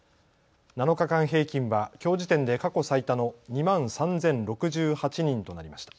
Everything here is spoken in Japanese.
７日間平均はきょう時点で過去最多の２万３０６８人となりました。